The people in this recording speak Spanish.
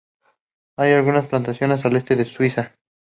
Hay algunas plantaciones al este de Suiza.